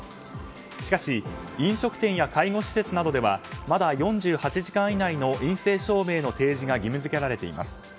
しかし飲食店や介護施設などではまだ４８時間以内の陰性証明の提示が義務付けられています。